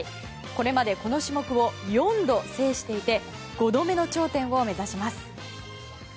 これまでこの種目を４度制していて５度目の頂点を目指します。